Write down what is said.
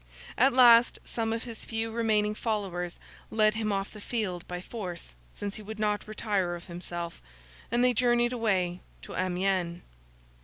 At last, some of his few remaining followers led him off the field by force since he would not retire of himself, and they journeyed away to Amiens.